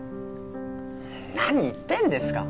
何言ってんですか！